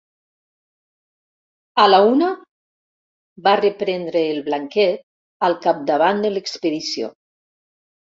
A la una? —va reprendre el Blanquet, al capdavant de l'expedició.